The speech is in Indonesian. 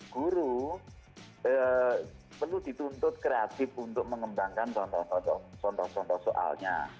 guru perlu dituntut kreatif untuk mengembangkan contoh contoh soalnya